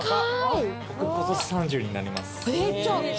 僕、ことし３０になります。